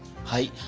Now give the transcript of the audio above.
はい。